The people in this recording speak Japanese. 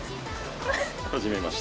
はじめまして。